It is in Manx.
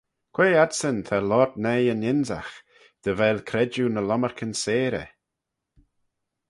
Quoi adsyn ta loayrt noi yn ynsagh, dy vel credjue ny lomarcan seyrey?